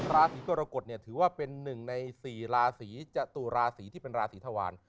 ราศีกรกฎเนี่ยถือว่าเป็นหนึ่งใน๔ราศีจตุราศีที่เป็นราศีธวาร